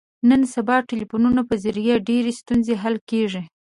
نن سبا د ټلیفون په ذریعه ډېرې ستونزې حل کېږي.